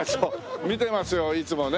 見てますよいつもね。